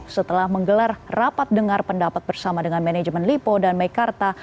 setelah menggelar rapat dengar pendapat bersama dengan manajemen lipo dan mekarta